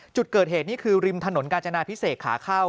จุดเกิดเหตุนี่คือริมถนนกาญจนาพิเศษขาเข้า